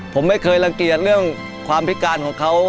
ผมไม่เคยรังเกียจเรื่องความพิการของเขา